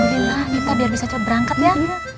alhamdulillah kita biar bisa cepat berangkat ya